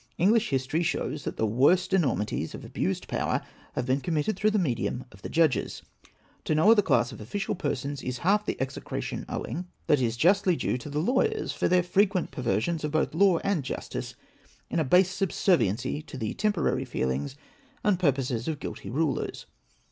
Eng lish history shows that the worst enormities of abused power have been committed through the medium of the Judo es. To no other class of official persons is half the execration owing, that is justly due to the lawyers for their frequent perversions of both law and justice in a base subserviency to the temporary feelings and purposes of guilty rulers.